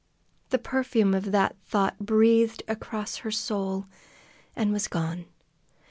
The perfume of that thought breathed across her soul, and was gone.